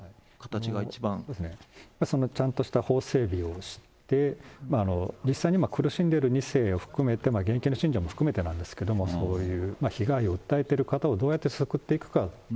ちゃんとした法整備をして、実際に苦しんでる２世を含めて、現役の信者も含めてなんですけれども、そういう被害を訴えてる方をどうやって救っていくか。